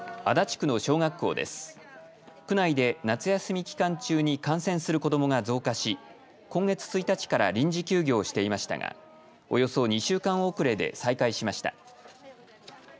区内で夏休み期間中に感染する子どもが増加し今月１日から臨時休業していましたがおよそ２週間遅れで再開しました。